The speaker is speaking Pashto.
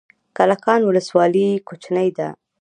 کلکان ولسوالۍ کوچنۍ ده؟